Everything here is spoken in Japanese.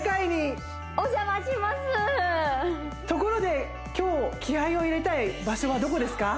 ところで今日気合を入れたい場所はどこですか？